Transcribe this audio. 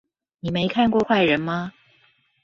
你沒看過壞人嗎？